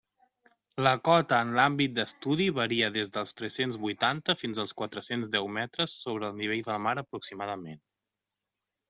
La cota en l'àmbit d'estudi varia des dels tres-cents huitanta fins als quatre-cents deu metres sobre el nivell del mar aproximadament.